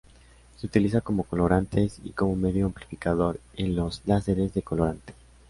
Se utilizan como colorantes y como medio amplificador en los láseres de colorante.